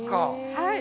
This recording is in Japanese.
はい。